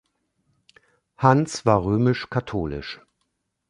Hans war römisch-katholisch.